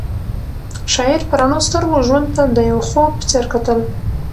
شاعر په رڼو سترګو ژوند ته د یو خوب په څېر کتل.